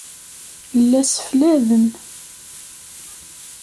La ssefladen.